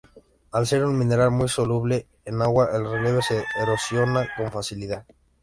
Al ser un mineral muy soluble en agua, el relieve se erosiona con facilidad.